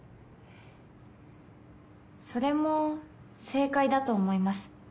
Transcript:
それも正解だと思います